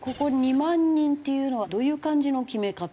２万人っていうのはどういう感じの決め方？